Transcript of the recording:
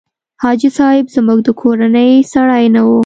حاجي صاحب زموږ د کورنۍ سړی نه و.